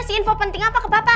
si info penting apa ke bapak